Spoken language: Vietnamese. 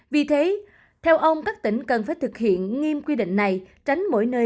vì thế theo ông các tỉnh cần phải thực hiện nghiêm quy định này tránh mỗi nơi có dịch covid một mươi chín